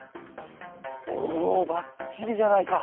おおばっちりじゃないか。